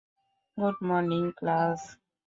Good morning class.